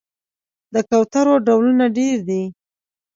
د کوترو ډولونه ډیر دي